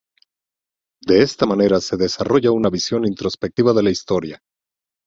De esta manera se desarrolla una visión introspectiva de la historia.